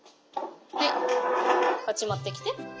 はいこっち持ってきて。